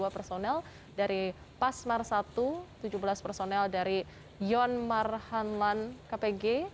dua personel dari pasmar i tujuh belas personel dari yon marhanlan kpg